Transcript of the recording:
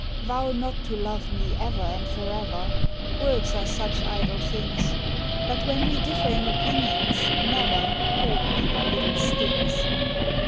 Vow not to love me ever and forever, Words are such idle things; But when we differ in opinions, never Hurt me by little stings.